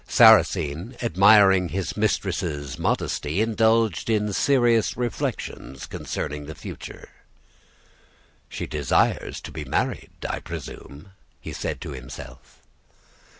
Sarrasine, admiring his mistress' modesty, indulged in serious reflections concerning the future. "'She desires to be married, I presume,' he said to himself.